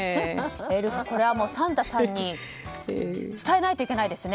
エルフ、これはサンタさんに伝えないといけないですね。